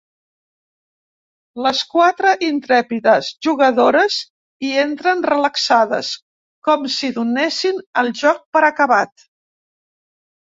Les quatre intrèpides jugadores hi entren relaxades, com si donessin el joc per acabat.